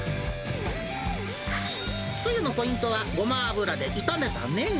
つゆのポイントは、ごま油で炒めたネギ。